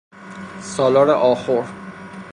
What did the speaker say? سالار آخور